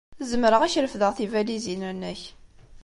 Zemreɣ ad ak-refdeɣ tibalizin-nnek.